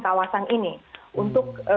kawasan ini untuk